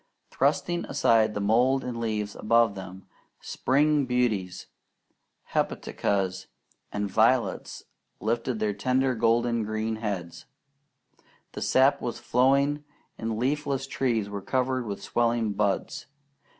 Thrusting aside the mold and leaves above them, spring beauties, hepaticas, and violets lifted tender golden green heads. The sap was flowing, and leafless trees were covered with swelling buds.